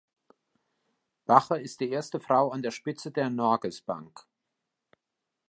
Bache ist die erste Frau an der Spitze der Norges Bank.